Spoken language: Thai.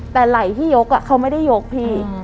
แต่ไหล่ที่ยกเขาไม่ได้ยกพี่